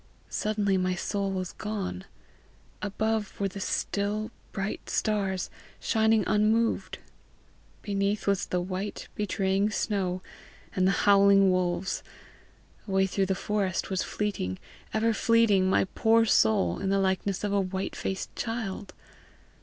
Suddenly my soul was gone. Above were the still, bright stars, shining unmoved; beneath was the white, betraying snow, and the howling wolves; away through the forest was fleeting, ever fleeting, my poor soul, in the likeness of a white faced child!